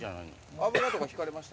油とか引かれました？